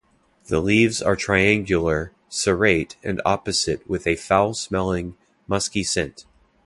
The leaves are triangular, serrate and opposite with a foul-smelling, musky scent.